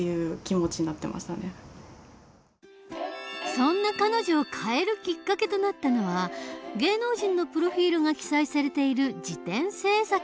そんな彼女を変えるきっかけとなったのは芸能人のプロフィールが記載されている事典制作のアルバイト。